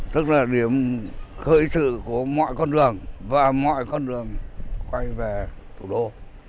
tức là điểm khởi sự của mọi con đường và mọi con đường quay về thủ đô